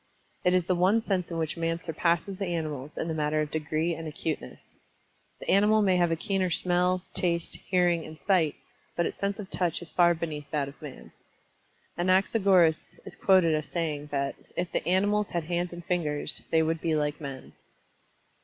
It is the one sense in which Man surpasses the animals in the matter of degree and acuteness. The animal may have a keener smell, taste, hearing and sight, but its sense of Touch is far beneath that of Man. Anaxagoras is quoted as saying that "if the animals had hands and fingers, they would be like men."